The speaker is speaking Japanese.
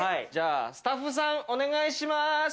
スタッフさん、お願いします。